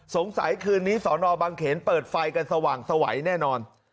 คืนนี้สอนอบังเขนเปิดไฟกันสว่างสวัยแน่นอน